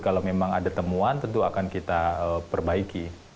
kalau memang ada temuan tentu akan kita perbaiki